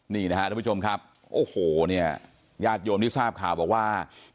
นี่นะครับทุกผู้ชมครับโอ้โหเนี่ยญาติโยมที่ทราบข่าวบอกว่า